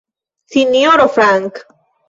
Sinjoro Frank?